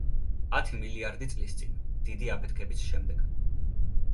ათი მილიარდი წლის წინ, დიდი აფეთქების შემდეგ.